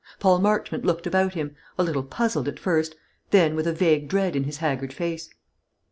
Paul Marchmont looked about him a little puzzled at first; then with a vague dread in his haggard face.